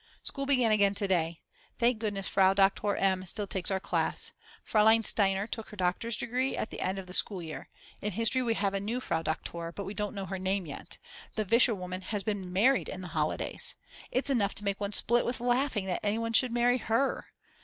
School began again to day. Thank goodness Frau Doktor M. still takes our class. Frl. Steiner took her doctor's degree at the end of the school year. In history we have a new Frau Doktor, but we don't know her name yet. The Vischer woman has been married in the holidays!!! It's enough to make one split with laughing that anyone should marry _her!!!